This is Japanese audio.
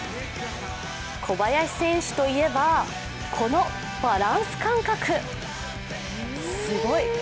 小林選手といえば、このバランス感覚。